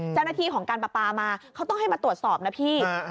เจ้าหน้าที่ของการประปามาเขาต้องให้มาตรวจสอบนะพี่